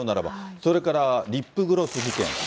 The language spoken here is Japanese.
それからリップグロス事件。